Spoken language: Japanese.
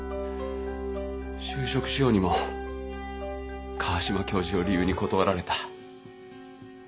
就職しようにも川島教授を理由に断られた。